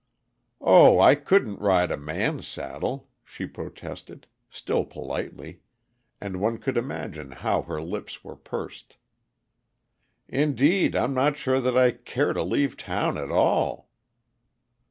"Oh, I couldn't ride a man's saddle," she protested, still politely, and one could imagine how her lips were pursed. "Indeed, I'm not sure that I care to leave town at all."